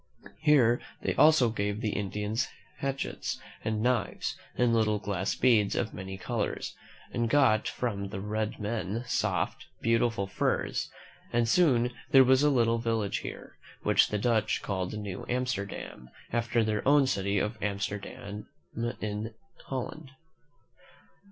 Here they also gave the Indians hatchets and knives and little glass beads of many colors, and got from the red men soft, beautiful furs; and ^^m THE M E N WHO FOUND A M E R I C ^1 soon there was a little village here, which the Dutch called New Amsterdam, after their own city of Amsterdam in Holland.